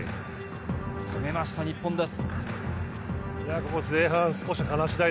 止めました、日本です。